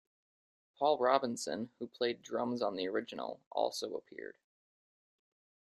Paul Robinson, who played drums on the original, also appeared.